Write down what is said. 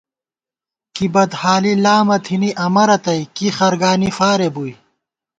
کی بدحالی لامہ تھنی امہ رتئ، کی خرگانی فارے بُوئی